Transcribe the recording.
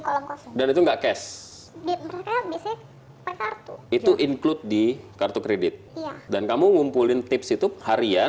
kolom kosong dan itu enggak cash itu include di kartu kredit dan kamu ngumpulin tips itu harian